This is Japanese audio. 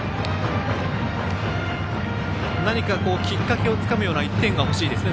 何かきっかけをつかむような１点がほしいですね。